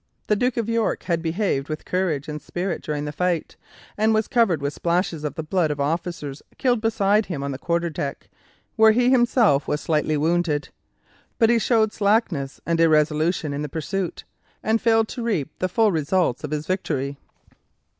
The Duke of York had behaved with courage and spirit during the fight, and was covered with splashes of the blood of officers killed beside him on the quarter deck, where he himself was slightly wounded. But he showed slackness and irresolution in the pursuit, and failed to reap the full results of his victory.